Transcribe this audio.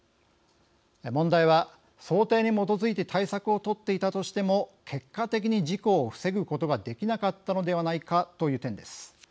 問題は、想定に基づいて対策を取っていたとしても結果的に事故を防ぐことができなかったのではないかという点です。